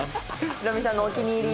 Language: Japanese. ヒロミさんのお気に入り。